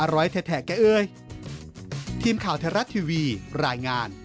อร่อยแทะแก้เอ่ย